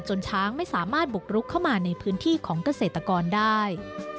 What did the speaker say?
ช้างไม่สามารถบุกรุกเข้ามาในพื้นที่ของเกษตรกรได้